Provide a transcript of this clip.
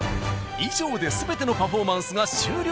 以上で全てのパフォーマンスが終了。